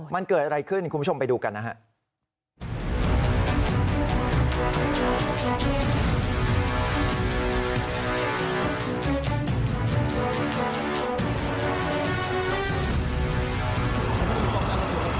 มันเกิดอะไรขึ้นคุณผู้ชมไปดูกันนะครับ